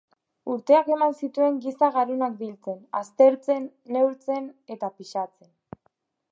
Urteak eman zituen giza garunak biltzen, aztertzen, neurtzen... eta pisatzen.